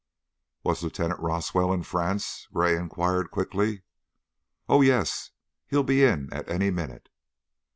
"Was Lieutenant Roswell in France?" Gray inquired, quickly. "Oh yes. He'll be in at any minute."